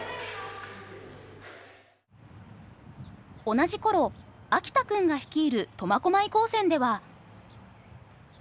同じ頃秋田くんが率いる苫小牧高専では。